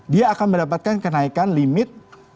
dia akan mendapatkan kenaikan limit